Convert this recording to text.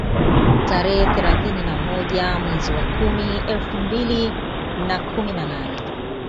Tarehe thelathini na moja mwezi wa kumi elfu mbili na kumi na nane